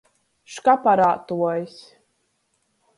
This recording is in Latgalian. Škaparātuojs.